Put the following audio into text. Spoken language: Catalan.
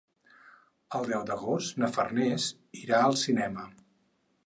El deu d'agost na Farners irà al cinema.